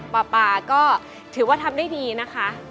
ป่าก็ถือว่าทำได้ดีนะคะ